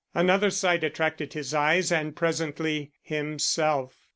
Another sight attracted his eyes and presently himself.